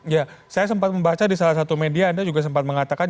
ya saya sempat membaca di salah satu media anda juga sempat mengatakan